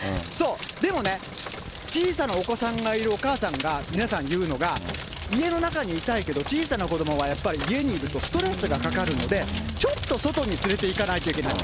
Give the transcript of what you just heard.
でもね、小さなお子さんがいるお母さんが皆さん言うのが、家の中にいたいけど小さな子どもはやっぱり家にいるとストレスがかかるので、ちょっと外に連れていかないといけない。